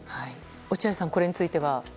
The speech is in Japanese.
落合さん、これについては？